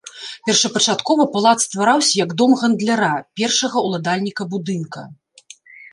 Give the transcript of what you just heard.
Першапачаткова палац ствараўся як дом гандляра, першага ўладальніка будынка.